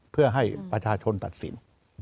เพื่อให้ประชาชนตัดสิน